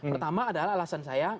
pertama adalah alasan saya